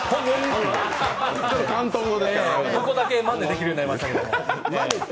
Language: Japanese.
そこだけまねできるようになりましたけど。